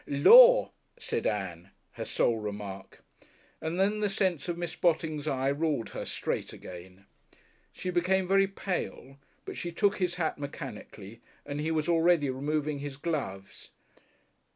"Lor'!" said Ann, her sole remark, and then the sense of Miss Botting's eye ruled her straight again. She became very pale, but she took his hat mechanically, and he was already removing his gloves.